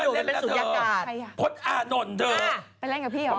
เพิ่งเจอกันเมื่อวานเอาให้นางเจอกันแหละไข่เทียว